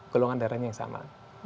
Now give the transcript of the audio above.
keluangan darahnya yang sama